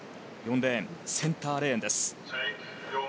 ４レーン、センターレーンです。